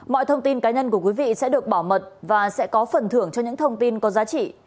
mọi thông tin cá nhân của quý vị sẽ được bảo mật và sẽ có phần thưởng cho những thông tin có giá trị